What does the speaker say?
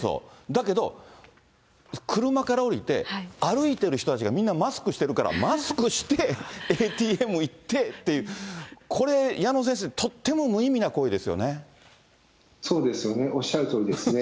だけど、車から降りて、歩いてる人たちがみんなマスクしてるから、マスクして、ＡＴＭ行ってっていう、これ、矢野先生、とっても無意味な行為でそうですよね、おっしゃるとおりですね。